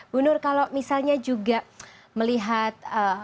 bu nur kalau misalnya juga melihat